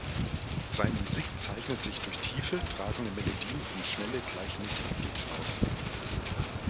Seine Musik zeichnet sich durch tiefe, tragende Melodien und schnelle gleichmäßige Beats aus.